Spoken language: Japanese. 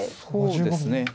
そうですね。